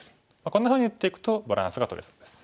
こんなふうに打っていくとバランスがとれそうです。